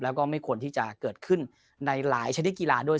แล้วก็ไม่ควรที่จะเกิดขึ้นในหลายชนิดกีฬาด้วย